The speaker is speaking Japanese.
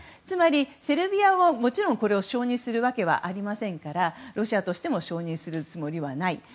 つまり、セルビアはこれをもちろん承認することはありませんから、ロシアとしても承認するつもりはない。